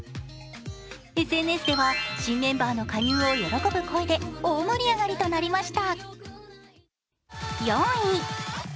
ＳＮＳでは新メンバーの加入を喜ぶ声で大盛り上がりとなりました。